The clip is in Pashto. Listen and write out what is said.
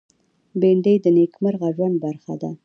بېنډۍ د نېکمرغه ژوند برخه ده